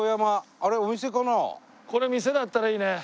これ店だったらいいね。